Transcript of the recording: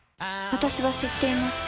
私は知っています